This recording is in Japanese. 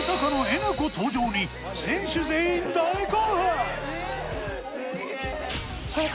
なこ登場に選手全員大興奮！